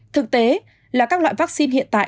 thực tế là các loại vaccine hiện tại